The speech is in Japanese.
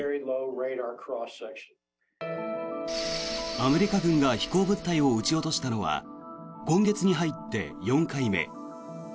アメリカ軍が飛行物体を撃ち落としたのは今月に入って４回目。